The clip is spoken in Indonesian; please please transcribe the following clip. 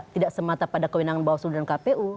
tidak semata pada kewinangan bahwasu dan kpu